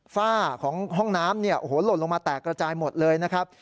ฝ้าของห้องน้ำเนี่ยโอ้โหหล่นลงมาแตกระจายหมดเลยนะครับ